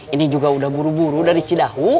ini juga udah buru buru dari cidahung